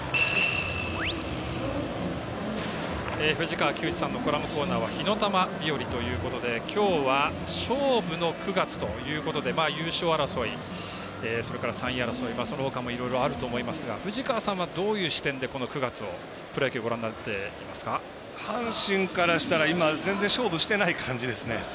藤川球児さんのコラムコーナーは「火の球びより」ということで今日は「勝負の９月」ということで優勝争い、それから３位争いその他もいろいろあると思いますが藤川さんはどういう視点でこの９月をプロ野球ご覧になっていますか？阪神からしたら今、全然勝負してない感じですね。